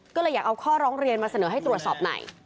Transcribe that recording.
ก็เลยอยากเอาข้อร้องเรียนมาเสนอให้ตรวจสอบหน่อย